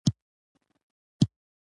پالمر ته ویل شوي وه.